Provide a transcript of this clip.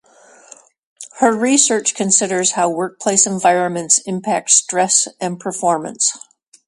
Her research considers how workplace environments impact stress and performance.